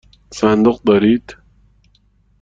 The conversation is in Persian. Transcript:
صندوق دارید؟